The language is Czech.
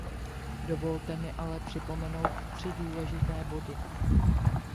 Dovolte mi ale připomenout tři důležité body.